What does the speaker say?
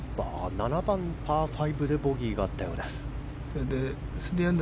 ７番、パー５でボギーがあったようです。